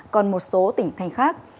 còn một số tỉnh thành khác